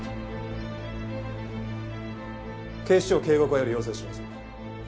警視庁警護課より要請します。